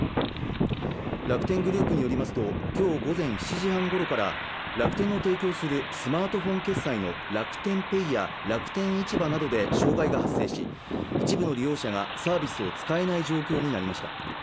楽天グループによりますときょう午前７時半ごろから楽天の提供するスマートフォン決済の楽天ペイや楽天市場などで障害が発生し一部の利用者がサービスを使えない状況になりました